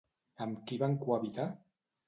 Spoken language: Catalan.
Amb qui van cohabitar?